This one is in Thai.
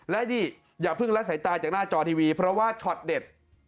และดีอย่าพึ่งระใส่ตายจากหน้าจอทีวีเพราะว่าชอตเด็ด